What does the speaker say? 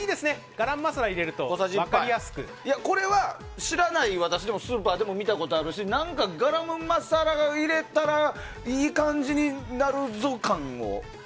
ガラムマサラを入れるとこれは知らない私でもスーパーでも見たことあるしガラムマサラを入れたらいい感じになるぞ感を。